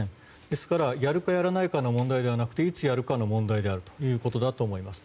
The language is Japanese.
ですから、やるかやらないかの問題ではなくていつやるかの問題であるということだと思います。